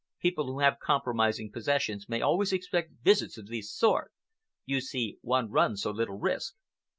People who have compromising possessions may always expect visits of this sort. You see, one runs so little risk."